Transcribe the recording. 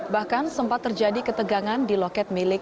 bahkan sempat terjadi ketegangan di loket milik